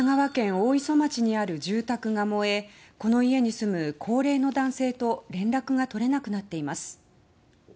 大磯町にある住宅が燃えこの家に住む高齢の男性と連絡が取れなくなっています。